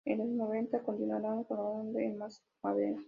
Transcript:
En los noventa continuaron colaborando en "Más Madera!